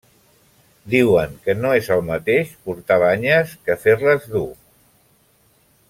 Diuen que no és el mateix portar banyes que fer-les dur.